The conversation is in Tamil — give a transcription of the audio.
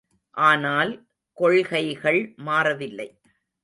ஆனால், கொள்கைகள் மாறவில்லை.